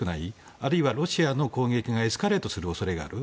あるいはロシアの攻撃がエスカレートする恐れがある。